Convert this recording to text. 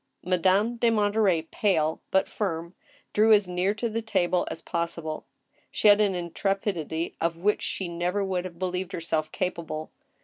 Madame de Monterey, pale but firm, drew as near to the table as possible. She had an intrepidity of which she never would have believed herself capable.